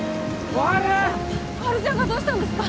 小春ちゃんがどうしたんですか？